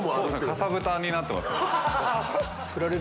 かさぶたになってます。